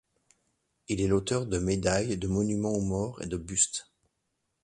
Il est l'auteur de médailles, de monuments aux morts et de bustes.